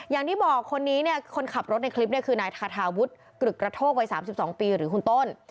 อย่างที่บอกคนนี้เนี่ยคนขับรถในคลิปเนี่ยคือนายทาทาวุฒิกรึกกระโทกวัย๓๒ปีหรือคุณต้น